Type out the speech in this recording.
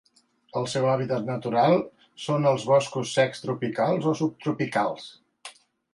El seu hàbitat natural són els boscos secs tropicals o subtropicals.